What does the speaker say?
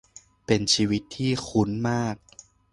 เป็นชีวิตที่คุ้นมาก